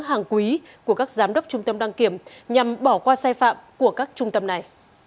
hàng quý của các giám đốc trung tâm đăng kiểm nhằm bỏ qua sai phạm của các trung tâm này